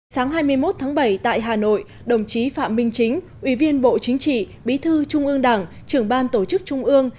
sáng hai mươi một tháng bảy tại hà nội đồng chí phạm minh chính ủy viên bộ chính trị bí thư trung ương đảng trưởng ban tổ chức trung ương